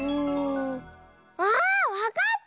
ああっわかった！